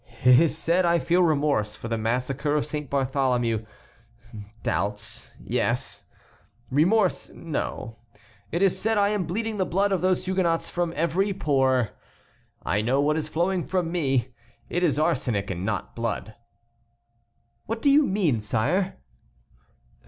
It is said I feel remorse for the massacre of Saint Bartholomew; doubts, yes; remorse, no. It is said I am bleeding the blood of those Huguenots from every pore. I know what is flowing from me. It is arsenic and not blood." "What do you mean, sire?"